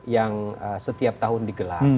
yang setiap tahun digelar